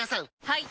はい！